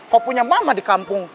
kok punya mama di kampung